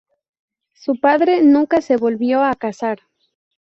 Su padre nunca se volvió a casar.